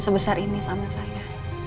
sebesar ini sama saya